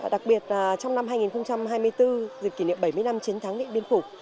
đặc biệt trong năm hai nghìn hai mươi bốn dịp kỷ niệm bảy mươi năm chiến thắng điện biên phủ